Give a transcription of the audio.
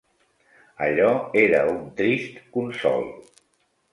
Allò era un trist consol.